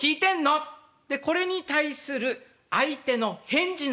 でこれに対する相手の返事の声。